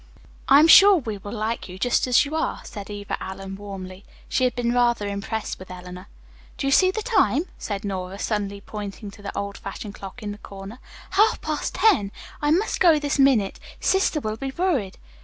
"I am sure we like you, just as you are," said Eva Allen warmly. She had been rather impressed with Eleanor. "Do you see the time?" said Nora, suddenly pointing to the old fashioned clock in the corner. "Half past ten! I must go this minute. Sister will be worried."